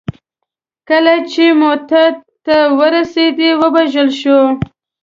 کله چې موته ته ورسېد ووژل شو.